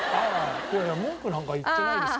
いやいや文句なんか言ってないですけどね。